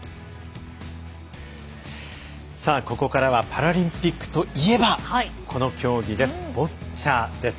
ここからはパラリンピックといえばこの競技です、ボッチャです。